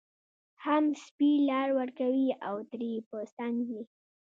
هم څپې لار ورکوي او ترې په څنګ ځي